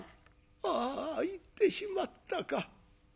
あ行ってしまったか。